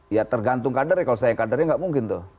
ya tergantung kader ya kalau saya kadernya nggak mungkin tuh